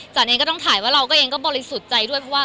จันนเองก็ต้องถ่ายว่าเราก็เองบริสุทธิ์ใจด้วย